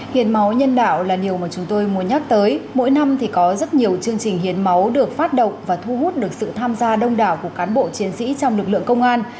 hiến máu nhân đạo là điều mà chúng tôi muốn nhắc tới mỗi năm thì có rất nhiều chương trình hiến máu được phát động và thu hút được sự tham gia đông đảo của cán bộ chiến sĩ trong lực lượng công an